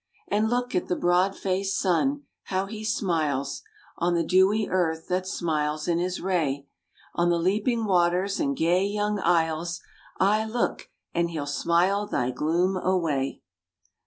And look at the broad faced sun, how he smiles On the dewy earth that smiles in his ray; On the leaping waters and gay young isles Ay, look, and he'll smile thy gloom away!